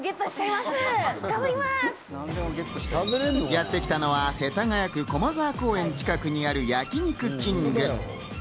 やってきたのは世田谷区駒沢公園近くにある焼肉きんぐ。